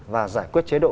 và giải quyết chế độ